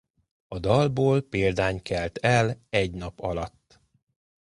A dalból példány kelt el egy nap alatt.